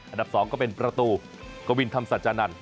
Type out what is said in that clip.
อันดับสองก็เป็นประตูกวินธรรมศจนันทร์